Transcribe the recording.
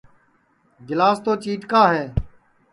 گِلاس تو چِیٹکا ہے